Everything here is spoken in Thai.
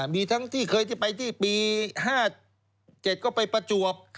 มีทั้งที่เคยที่ไปที่ปี๕๗ก็ไปประจวบ